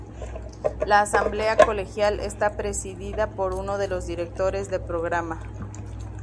La Asamblea colegial está presidida por uno de los directores de programa.